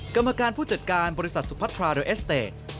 กรรมการผู้จัดการบริษัทสุพัทราเรสเตจ